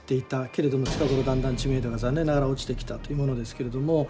けれども近頃だんだん知名度が残念ながら落ちてきたというものですけれども。